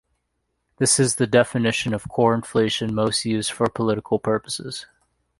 This is the definition of "core inflation" most used for political purposes.